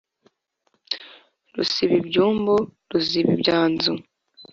rusiba ibymbu ruziba ibyanzu